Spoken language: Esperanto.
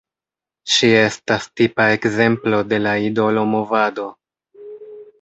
Ŝi estas tipa ekzemplo de la idolo movado.